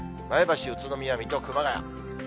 前橋、宇都宮、水戸、熊谷。